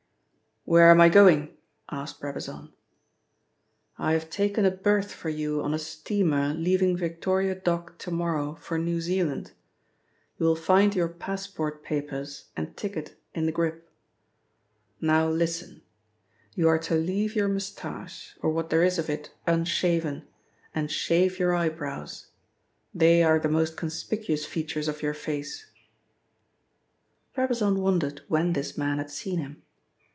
"Where am I going?" asked Brabazon. "I have taken a berth for you on a steamer leaving Victoria Dock to morrow for New Zealand. You will find your passport papers and ticket in the grip. Now listen. You are to leave your moustache, or what there is of it unshaven, and shave your eyebrows. They are the most conspicuous features of your face," Brabazon wondered when this man had seen him.